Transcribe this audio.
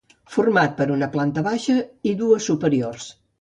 Format per una planta baixa i dues superiors.